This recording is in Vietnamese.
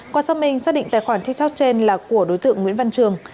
qua xác minh xác định tài khoản tiktok trên là của đối tượng nguyễn văn trường